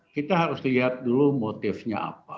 karena kita harus lihat dulu motifnya apa